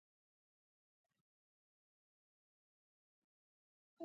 د نوموړې زیرمې سلنه راکمول د پیسو پر عرضې سرچپه اغېز لري.